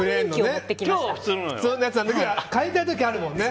他のも買いたい時あるもんね。